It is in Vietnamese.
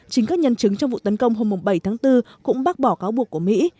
chính các nhân chứng trong vụ tấn công hôm bảy tháng bốn cũng bác bỏ cáo buộc của mỹ